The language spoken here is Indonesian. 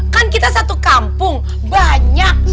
kan kita satu kampung banyak